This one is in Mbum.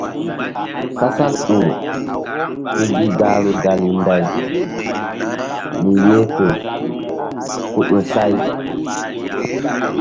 Kasal u ur ke gi gahru dali nday mi yeh fe ku ƴo say.